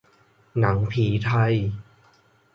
หนังผีไทย